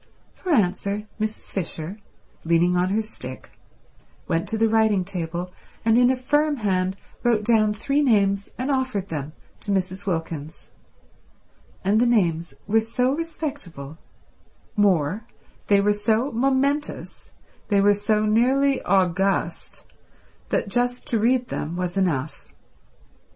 For answer Mrs. Fisher, leaning on her stick, went to the writing table and in a firm hand wrote down three names and offered them to Mrs. Wilkins, and the names were so respectable, more, they were so momentous, they were so nearly august, that just to read them was enough.